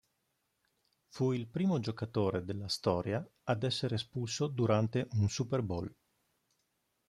Fu il primo giocatore della storia ad essere espulso durante un Super Bowl.